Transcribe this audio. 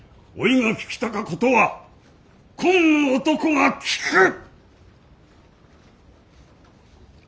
おいが聞きたかことはこん男が聞く！